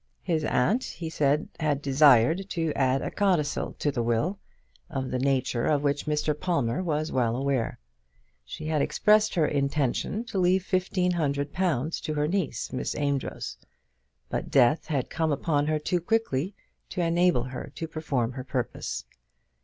His aunt, he said, had desired to add a codicil to the will, of the nature of which Mr. Palmer was well aware. She had expressed her intention to leave fifteen hundred pounds to her niece, Miss Amedroz; but death had come upon her too quickly to enable her to perform her purpose.